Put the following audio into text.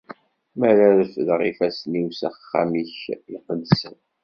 Mi ara refdeɣ ifassen-iw s axxam-ik iqedsen.